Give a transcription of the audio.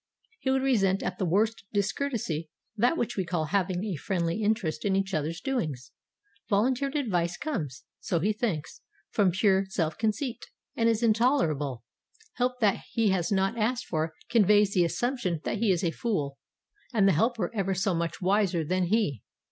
He would resent as the worst discourtesy that which we call having a friendly interest in each other's doings. Volunteered advice comes, so he thinks, from pure self conceit, and is intolerable; help that he has not asked for conveys the assumption that he is a fool, and the helper ever so much wiser than he.